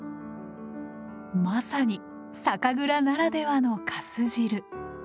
まさに酒蔵ならではの粕汁。